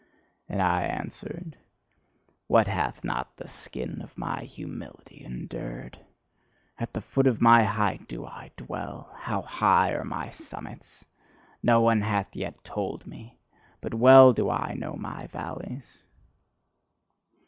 And I answered: "What hath not the skin of my humility endured! At the foot of my height do I dwell: how high are my summits, no one hath yet told me. But well do I know my valleys."